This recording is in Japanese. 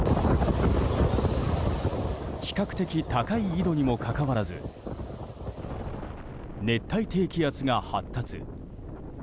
比較的高い緯度にもかかわらず熱帯低気圧が発達。